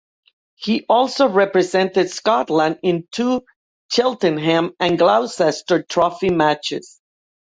He also represented Scotland in two Cheltenham and Gloucester Trophy matches.